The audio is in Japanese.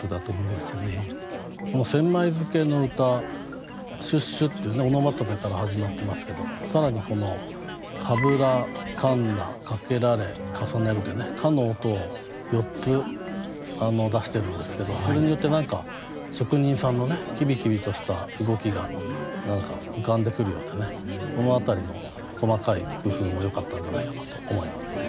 千枚漬けの歌「しゅっしゅっ」というねオノマトペから始まってますけど更にこの「かぶら」「鉋」「かけられ」「重ねる」でね「か」の音を４つ出してるんですけどそれによって何か職人さんのねキビキビとした動きが何か浮かんでくるようでねこの辺りの細かい工夫もよかったんじゃないかなと思いますね。